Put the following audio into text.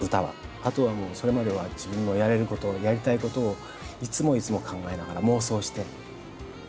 あとはもうそれまでは自分のやれることやりたいことをいつもいつも考えながら妄想して。